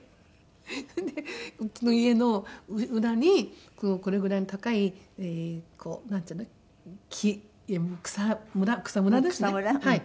それでうちの家の裏にこれぐらいの高いこうなんていうの木草むら草むらですねはい。